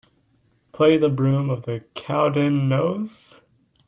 Play the Broom Of The Cowdenknowes.